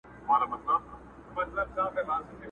پر خپل قول درېدل خوی د مېړه دی!.